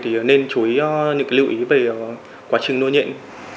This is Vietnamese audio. thì nên chú ý những lưu ý về quá trình nuôi nhện